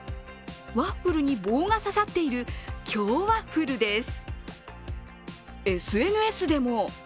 ワッフルに棒が刺さっている京ワッフルです。